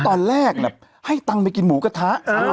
ตอนแรกน่ะให้ตังไปกินหมูกะทะ